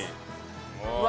うわ！